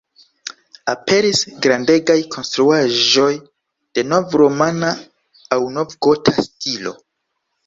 Aperis grandegaj konstruaĵoj de nov-romana aŭ nov-gota stilo.